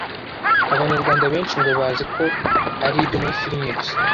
*Abanyarwanda benshi ngo bazi ko ari ibyo muri filimi gusa